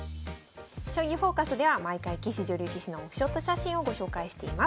「将棋フォーカス」では毎回棋士女流棋士のオフショット写真をご紹介しています。